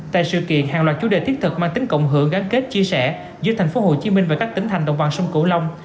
tại sự kiện hàng loạt chủ đề thiết thực mang tính cộng hưởng gắn kết chia sẻ giữa thành phố hồ chí minh và các tỉnh thành đồng bằng sông cửu long